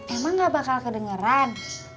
emang gak bakal kedengeran